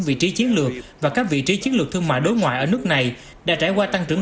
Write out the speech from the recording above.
vị trí chiến lược và các vị trí chiến lược thương mại đối ngoại ở nước này đã trải qua tăng trưởng